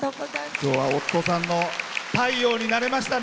今日は夫さんの太陽になれましたね。